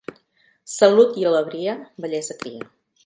Salut i alegria, bellesa cria.